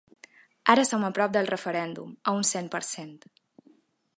Ara som a prop del referèndum, a un cent per cent.